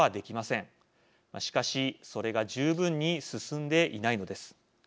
しかしそれが十分に進んでいないのです。